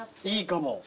いいかも。